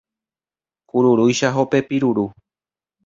Kururúicha hopepi ruru